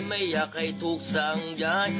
ไม่อยากให้ถูกสั่งย้าย